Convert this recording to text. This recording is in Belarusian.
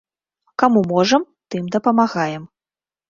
Каму можам, тым дапамагаем.